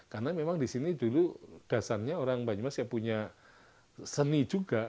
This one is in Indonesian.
karena memang disini dulu dasarnya orang banyumas siap punya seni juga